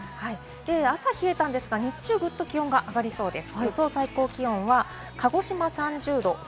朝冷えたんですが日中、グッと気温が上がりそうです。